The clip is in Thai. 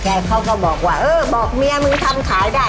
เขาก็บอกว่าเออบอกเมียมึงทำขายได้